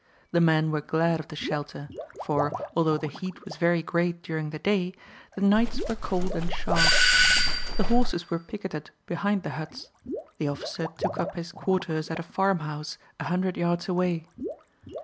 The men were glad of the shelter, for, although the heat was very great during the day, the nights were cold and sharp. The horses were picketed behind the huts; the officer took up his quarters at a farmhouse a hundred yards away.